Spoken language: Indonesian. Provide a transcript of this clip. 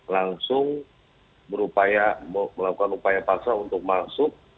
langsung melakukan upaya paksa untuk masuk